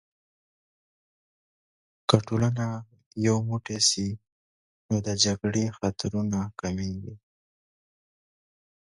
که ټولنه یو موټی سي، نو د جګړې خطرونه کمېږي.